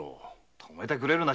止めてくれるな。